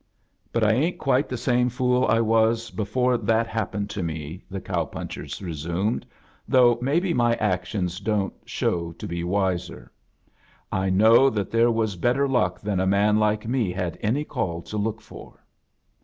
' But I ain't quite the same fool I was before that happened to me," the cow A JOURNEY IN SEARCH OF CHRISTMAS poncher resumed, " though maybe my actions don't show to be wiser. I know that there was better luck than a man like me had any call to look for."